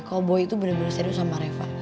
kalau boy itu bener bener serius sama reva